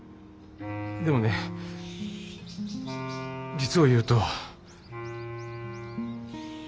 でもね実を言うと。